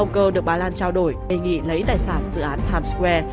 ông cơ được bà lan trao đổi đề nghị lấy tài sản dự án times square